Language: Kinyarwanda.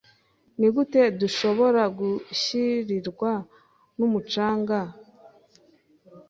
ni gute dushobora gushirirwa n'umucanga